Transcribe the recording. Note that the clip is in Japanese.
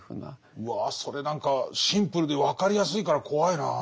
うわそれ何かシンプルで分かりやすいから怖いなぁ。